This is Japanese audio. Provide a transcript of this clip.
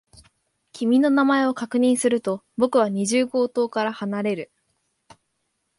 君の名前を確認すると、僕は二十号棟から離れる。